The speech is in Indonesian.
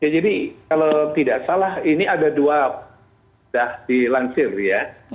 jadi kalau tidak salah ini ada dua sudah dilansir ya